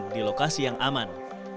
di lokasi yang aman